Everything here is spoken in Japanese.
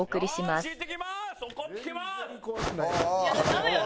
ダメよ。